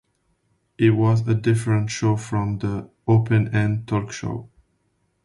It was a different show from the "Open End" talk show.